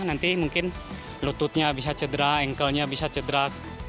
nanti mungkin lututnya bisa cedera ankle nya bisa cedera